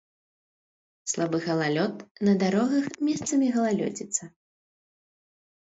Слабы галалёд, на дарогах месцамі галалёдзіца.